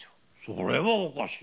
それはおかしい。